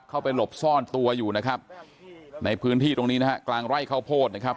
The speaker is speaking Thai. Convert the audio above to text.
หลบซ่อนตัวอยู่นะครับในพื้นที่ตรงนี้นะฮะกลางไร่ข้าวโพดนะครับ